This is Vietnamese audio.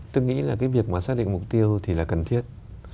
tôi nghĩ là việc xác định mục tiêu thì là cần thiết